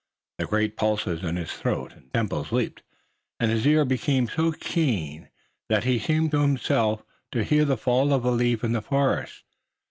The great pulses in his throat and temples leaped, and his ear became so keen that he seemed to himself to hear the fall of the leaf in the forest.